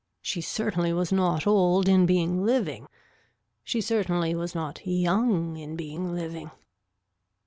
She certainly was not old in being living. She certainly was not young in being living.